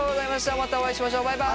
またお会いしましょうバイバイ。